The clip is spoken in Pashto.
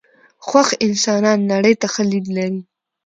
خوښ انسانان نړۍ ته ښه لید لري .